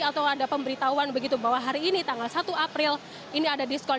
atau ada pemberitahuan begitu bahwa hari ini tanggal satu april ini ada diskon